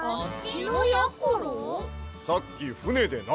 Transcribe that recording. さっきふねでな